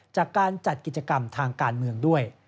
จากการจัดกิจกรรมทางการเมืองด้วย